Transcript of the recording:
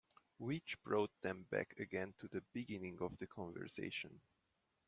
Which brought them back again to the beginning of the conversation.